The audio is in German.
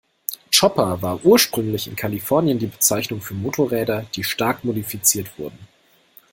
Chopper war ursprünglich in Kalifornien die Bezeichnung für Motorräder, die stark modifiziert wurden.